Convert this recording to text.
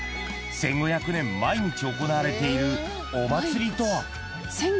１５００年毎日行われているお祭りとは。